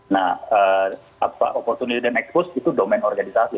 nah opportunity dan expose itu domain organisasi